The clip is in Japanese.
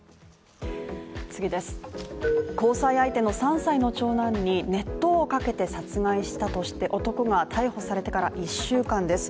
交際相手の３歳の長男に熱湯をかけて殺害したとして男が逮捕されてから１週間です。